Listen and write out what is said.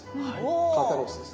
肩ロースですね。